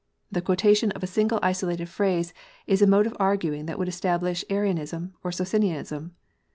The quotation of a single isolated phrase is a mode of arguing that would establish Arianism or Socinianism.